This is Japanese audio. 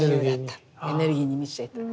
エネルギーに満ちていた。